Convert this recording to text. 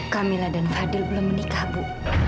kamila dan fadil belum menikah bu